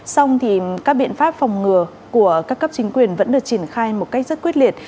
xong thì các biện pháp phòng ngừa của các cấp chính quyền vẫn được triển khai một cách rất quyết liệt